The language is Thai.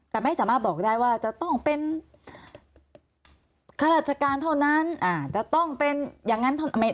แต่ไม่สามารถบอกได้ว่าจะต้องเป็นข้าราชการเท่านั้นจะต้องเป็นอย่างนั้น